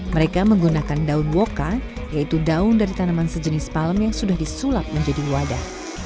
mereka menggunakan daun woka yaitu daun dari tanaman sejenis palem yang sudah disulap menjadi wadah